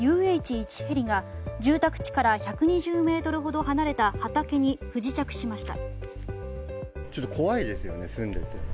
１ヘリが住宅地から１２０ｍほど離れた畑に不時着しました。